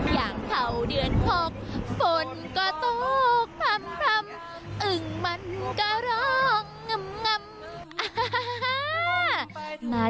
อย่างเผ่าเดือน๖ฝนก็ตกพร่ำอึ่งมันก็ร้องงำ